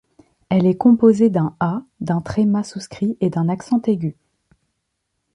Elle est composée d’un A, d’un tréma souscrit et d’un accent aigu.